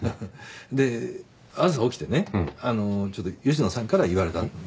で朝起きてねちょっと吉野さんから言われたんだけど。